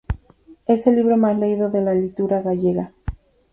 Es el libro más leído de la literatura gallega.